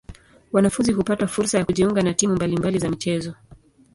Wanafunzi hupata fursa ya kujiunga na timu mbali mbali za michezo.